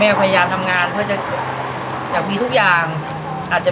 มีขอเสนออยากให้แม่หน่อยอ่อนสิทธิ์การเลี้ยงดู